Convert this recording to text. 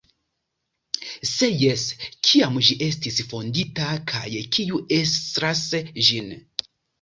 Se jes, kiam ĝi estis fondita kaj kiu estras gin?